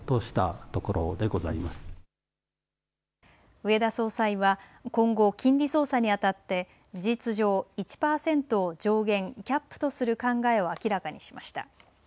植田総裁は今後金利操作にあたって事実上１パーセントを上限キャップとする考えを明らかにしました。